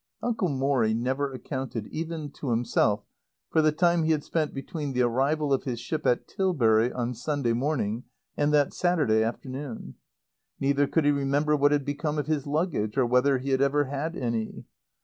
Uncle Morrie never accounted, even to himself, for the time he had spent between the arrival of his ship at Tilbury on Sunday morning and that Saturday afternoon. Neither could he remember what had become of his luggage or whether he had ever had any.